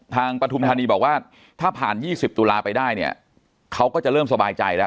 ปฐุมธานีบอกว่าถ้าผ่าน๒๐ตุลาไปได้เนี่ยเขาก็จะเริ่มสบายใจแล้ว